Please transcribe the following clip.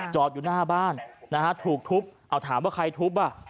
จอดอยู่หน้าบ้านนะฮะถูกทุบเอาถามว่าใครทุบอ่ะ